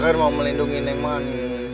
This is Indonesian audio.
kan mau melindungi neman